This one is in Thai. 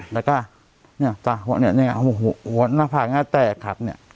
แต่ก็เนี่ยตาหัวเนี่ยเนี่ยหัวหน้าผ่านง่ายแตกครับเนี่ย